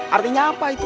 artinya apa itu